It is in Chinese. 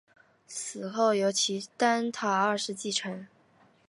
死后由齐丹塔二世继承。